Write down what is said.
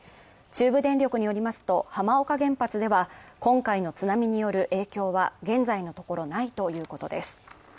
中部電力によりますと、浜岡原発では、今回の津波による影響は現在のところないということです。